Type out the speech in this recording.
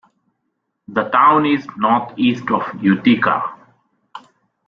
The town is northeast of Utica.